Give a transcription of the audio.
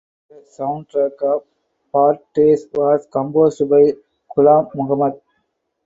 The soundtrack of "Pardes" was composed by Ghulam Mohammed.